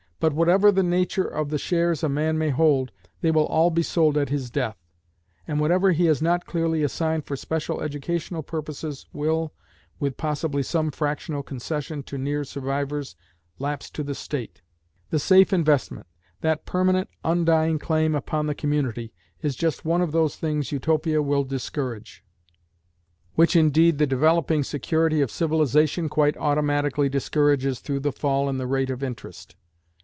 But whatever the nature of the shares a man may hold, they will all be sold at his death, and whatever he has not clearly assigned for special educational purposes will with possibly some fractional concession to near survivors lapse to the State. The "safe investment," that permanent, undying claim upon the community, is just one of those things Utopia will discourage; which indeed the developing security of civilisation quite automatically discourages through the fall in the rate of interest.